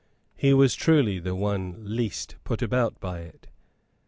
He was truly the one least put about by it.